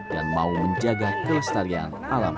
dan mau menjaga kelestarian alam